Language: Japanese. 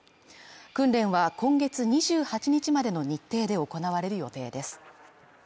訓練は今月２８日までの日程で行われる予定です